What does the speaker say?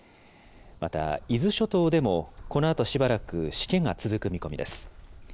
また伊豆諸島でも、このあとしばらくしけが続く見込みです。